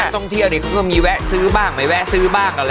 ต้องเที่ยวดิมีแวะซื้อบ้างไม่แวะซื้อบ้าง